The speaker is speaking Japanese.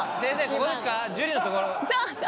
ここですか？